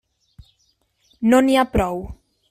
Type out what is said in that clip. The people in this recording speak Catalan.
No n'hi ha prou.